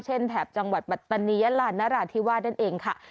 แถบจังหวัดปัตตานียะลานนราธิวาสนั่นเองค่ะ